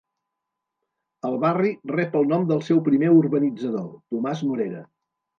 El barri rep el nom del seu primer urbanitzador, Tomàs Morera.